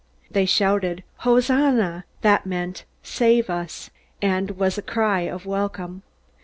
They shouted, "Hosanna!" It meant, "Save us," and was a cry of welcome.